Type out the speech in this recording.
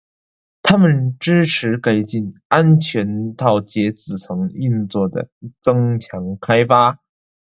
它们支持改进安全套接字层运作的增强开发。